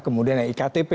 kemudian yang iktp